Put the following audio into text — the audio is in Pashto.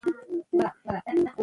زه بېهدف ژوند نه کوم.